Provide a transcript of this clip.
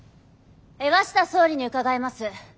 鷲田総理に伺います。